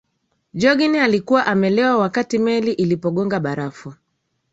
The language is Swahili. joughin alikuwa amelewa wakati meli ilipogonga barafu